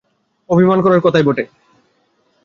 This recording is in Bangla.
অভিমান করিবার কথাই বটে।